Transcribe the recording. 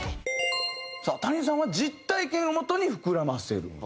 さあＴａｎｉさんは実体験をもとに膨らませる。